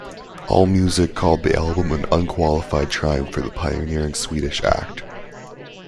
AllMusic called the album an unqualified triumph for the pioneering Swedish act.